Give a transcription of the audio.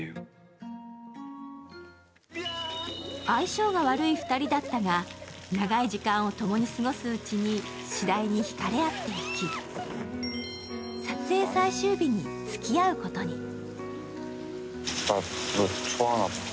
相性が悪い２人だったが長い時間を共に過ごすうちにしだいにひかれあっていき、撮影最終日につきあうことに。